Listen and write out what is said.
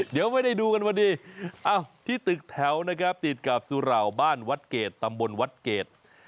เดี๋ยวไม่ได้ดูกันพอดีที่ตึกแถวนะครับติดกับสุเหล่าบ้านวัดเกรดตำบลวัดเกรด